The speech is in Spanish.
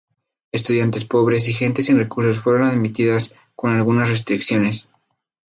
Estudiantes pobres y gentes sin recursos fueron admitidas con algunas restricciones.